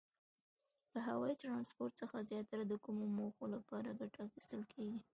له هوایي ترانسپورت څخه زیاتره د کومو موخو لپاره ګټه اخیستل کیږي؟